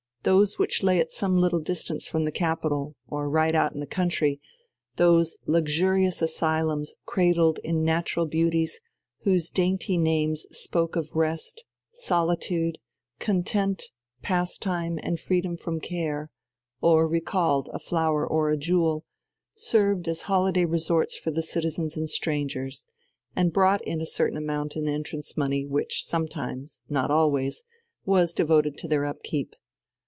Those which lay at some little distance from the capital, or right out in the country, those luxurious asylums cradled in natural beauties whose dainty names spoke of rest, solitude, content, pastime, and freedom from care, or recalled a flower or a jewel, served as holiday resorts for the citizens and strangers, and brought in a certain amount in entrance money which sometimes not always was devoted to their upkeep.